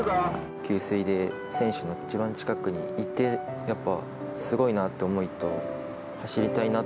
給水で選手の一番近くにいて、やっぱすごいなという思いと、走りたいなって